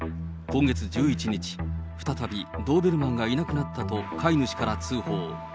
今月１１日、再びドーベルマンがいなくなったと飼い主から通報。